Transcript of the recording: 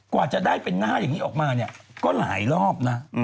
กว่าจะได้เป็นหน้าอย่างนี้ออกมาเนี่ยก็หลายรอบนะ